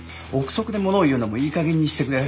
臆測でものを言うのもいい加減にしてくれ。